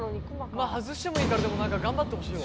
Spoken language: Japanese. まあハズしてもいいからでもなんか頑張ってほしいわ。